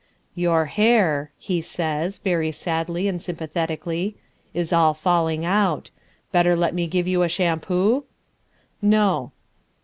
"Your hair," he says, very sadly and sympathetically, "is all falling out. Better let me give you a shampoo?" "No."